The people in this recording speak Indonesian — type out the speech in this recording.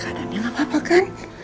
kalau casanya langsung kacau dah ya